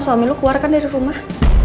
lo sama suami lo keluar kan dari rumah